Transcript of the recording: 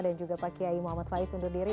dan juga pak kiai muhammad faiz undur diri